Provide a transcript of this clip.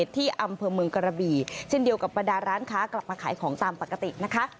ที่อำเภอเมืองกระบี่เช่นเดียวกับบรรดาร้านค้ากลับมาขายของตามปกตินะคะ